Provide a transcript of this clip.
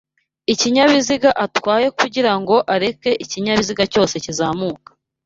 ikinyabiziga atwaye kugira ngo areke ikinyabiziga cyose kizamuka